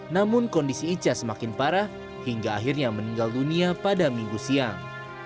namun kondisi ica semakin parah hingga akhirnya meninggal dunia pada minggu siang